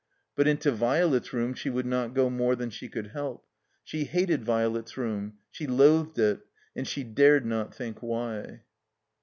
But into Violet's room she would not go more than she could help. She hated Violet's room; she loathed it; and she dared not think why.